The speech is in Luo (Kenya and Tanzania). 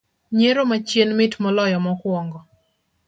Nyiero ma chien mit moloyo mokuongo